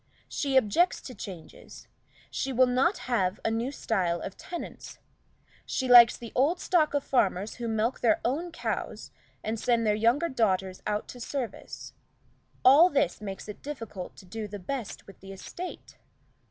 She objects to changes; she will not have a new style of tenants; she likes the old stock of farmers who milk their own cows, and send their younger daughters out to service: all this makes it difficult to do the best with the estate.